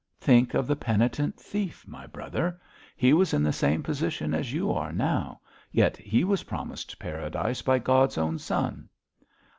'Think of the penitent thief, my brother. He was in the same position as you now are, yet he was promised paradise by God's own Son!'